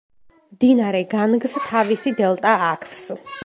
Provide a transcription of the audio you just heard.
მდინარე განგს თავისი დელტა აქვს.